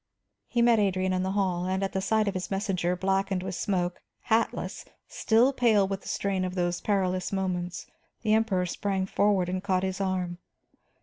He met Adrian in the hall, and at sight of his messenger, blackened with smoke, hatless, still pale with the strain of those perilous moments, the Emperor sprang forward and caught his arm.